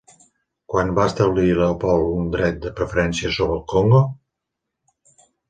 Quan va establir Leopold un dret de preferència sobre el Congo?